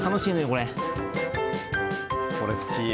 これ好き。